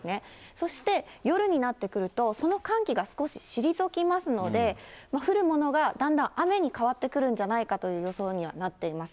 そして夜になってくると、その寒気が少し退きますので、降るものがだんだん雨に変わってくるんじゃないかという予想にはなっています。